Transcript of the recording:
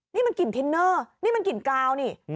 นี่มันกลิ่นทินเนอร์นี่มันกลิ่นกาวนี่